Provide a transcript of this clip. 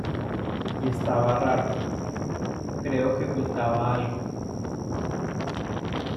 y estaba raro. creo que ocultaba algo.